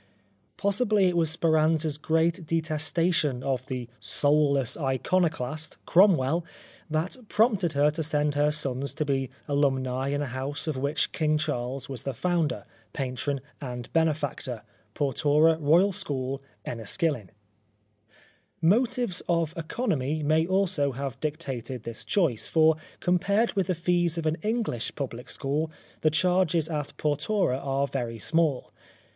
Possibly it was Speranza's great detestation of the "soulless iconoclast/' Crom well, that prompted her to send her sons to be alumni in a house of which King Charles was the founder, patron and benefactor, Portora Royal School, Enniskillen, Motives of economy may also have dictated this choice ; for compared with the fees of an English public school, the charges at Portora are very small.